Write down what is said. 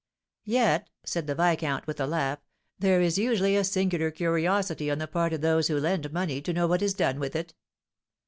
"Yet," said the viscount, with a laugh, "there is usually a singular curiosity on the part of those who lend money to know what is done with it."